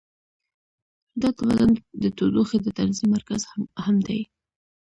دا د بدن د تودوخې د تنظیم مرکز هم دی.